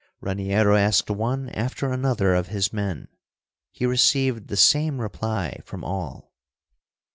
Raniero asked one after another of his men. He received the same reply from all.